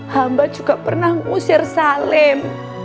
hamba juga pernah ngusir salim